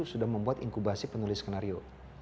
sudah membuat inkubasi penulis skenario